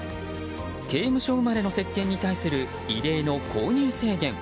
刑務所生まれの石けんに対する異例の購入制限。